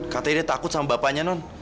katanya dia takut sama bapaknya non